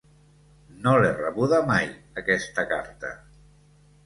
No l’he rebuda mai, aquesta carta.